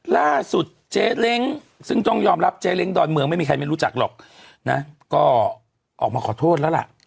เจ๊เล้งซึ่งต้องยอมรับเจ๊เล้งดอนเมืองไม่มีใครไม่รู้จักหรอกนะก็ออกมาขอโทษแล้วล่ะ